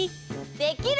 できる？